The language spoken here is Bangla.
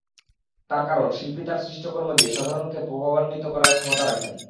তার কারণ, শিল্পী তাঁর সৃষ্টকর্ম দিয়ে সাধারণকে প্রভাবান্বিত করার ক্ষমতা রাখেন।